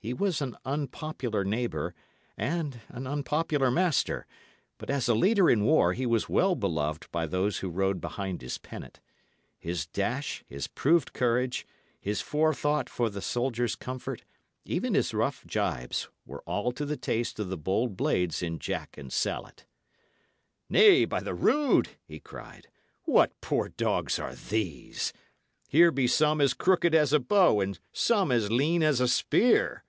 He was an unpopular neighbour and an unpopular master; but as a leader in war he was well beloved by those who rode behind his pennant. His dash, his proved courage, his forethought for the soldiers' comfort, even his rough gibes, were all to the taste of the bold blades in jack and salet. "Nay, by the rood!" he cried, "what poor dogs are these? Here be some as crooked as a bow, and some as lean as a spear.